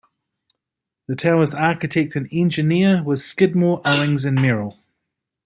The tower's architect and engineer was Skidmore, Owings and Merrill.